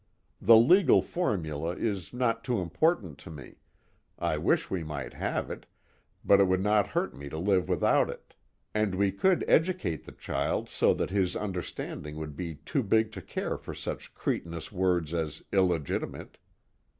The legal formula is not too important to me I wish we might have it, but it would not hurt me to live without it, and we could educate the child so that his understanding would be too big to care for such cretinous words as 'illegitimate.'